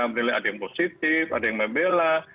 menilai ada yang positif ada yang membela